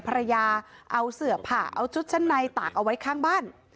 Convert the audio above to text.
ภรรยาเอาเสือผ่าเอาชุดชั้นในตากเอาไว้ข้างบ้าน